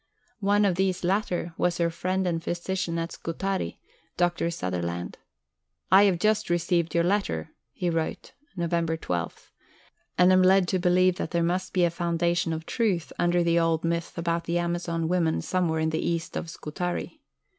One of these latter was her friend and physician at Scutari, Dr. Sutherland. "I have just received your letter," he wrote (Nov. 12), "and am led to believe that there must be a foundation of truth under the old myth about the Amazon women somewhere to the East of Scutari.